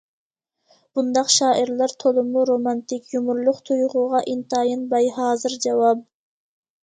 بۇنداق شائىرلار تولىمۇ رومانتىك، يۇمۇرلۇق تۇيغۇغا ئىنتايىن باي، ھازىر جاۋاب.